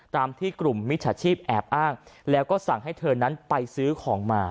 ตามที่กลุ่มมิจฉาชีพแอบอ้างแล้วก็สั่งให้เธอนั้นไปซื้อของมา